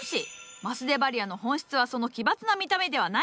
マスデバリアの本質はその奇抜な見た目ではない！